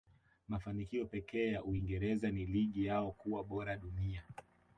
mafanikio pekee ya uingereza ni ligi yao kuwa bora dunia